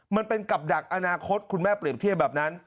มันเป็นกับดักอนาคตคุณแม่เปรียบเทียบแบบนั้น